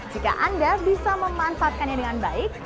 jika anda bisa memanfaatkannya dengan baik